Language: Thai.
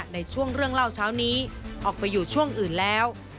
ในช่วงเรื่องเล่าเช้านี้ออกไปอยู่ช่วงอื่นแล้ว